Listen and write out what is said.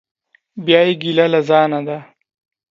بیا یې ګیله له ځانه ده.